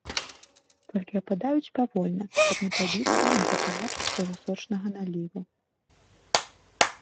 Толькі ападаюць павольна, каб не пабіцца, не пакамячыць свайго сочнага наліву.